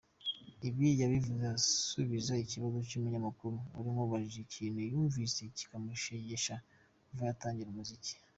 Ibi yabivuze asubiza ikibazo cy’umunyamakuru wari umubajije ikintu yumvise kikamushegesha kuva yatangira umuziki.